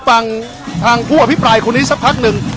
ฟังทางผู้อภิปรายคนนี้สักพักหนึ่ง